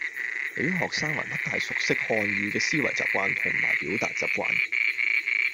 由於學生還不太熟悉漢語嘅思維習慣同埋表達習慣